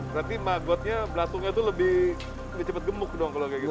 berarti maggotnya belasungnya itu lebih cepat gemuk dong kalau kayak gitu